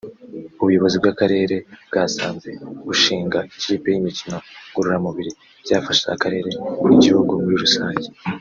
ubuyobozi bw’akarere bwasanze gushinga ikipe y’imikino ngororamubiri byafasha akarere n’igihugu muri rusange